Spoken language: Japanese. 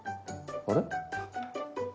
あれ？